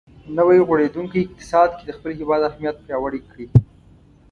نوی غوړېدونکی اقتصاد کې د خپل هېواد اهمیت پیاوړی کړي.